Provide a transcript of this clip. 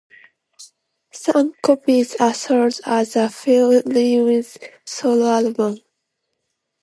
Some copies are sold as a Phil Lewis "solo" album.